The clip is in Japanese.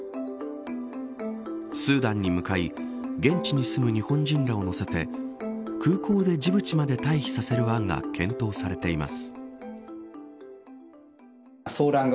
スーダンに向かい現地に住む日本人らを乗せて空港でジブチまで退避させる案が検討されています。